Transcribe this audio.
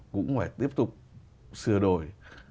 cũng phải tiếp tục sửa đổi